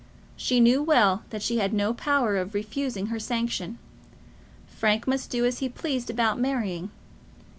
She knew well that she had no power of refusing her sanction. Frank must do as he pleased about marrying.